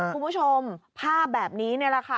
คุณผู้ชมภาพแบบนี้นี่แหละค่ะ